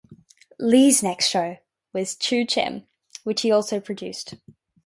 Leigh's next show was "Chu Chem", which he also produced.